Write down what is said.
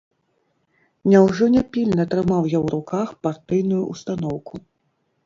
Няўжо няпільна трымаў я ў руках партыйную ўстаноўку?